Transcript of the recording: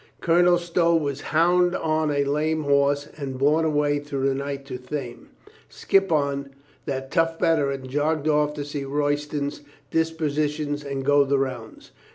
Colonel Stow was bound on a lame horse and borne away through the night to Thame. Skippon, that tough veteran, jogged off to see Royston's disposi tions and go the rounds.